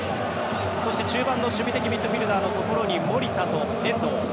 そして中盤の守備的ミッドフィールダーのところに守田と遠藤。